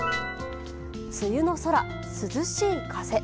梅雨の空、涼しい風。